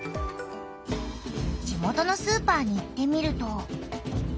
地元のスーパーに行ってみると。